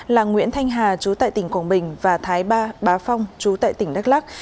là nguyễn thanh hà chú tại tỉnh quảng bình và thái ba bá phong chú tại tỉnh đắk lắc